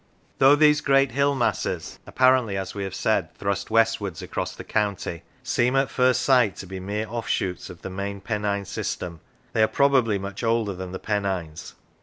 Though these great hill masses (apparently, as we have said, thrust westwards across the county) seem at first sight to be mere offshoots of the main Pennine system, they are probably much older than the Pennines.